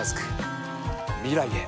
未来へ。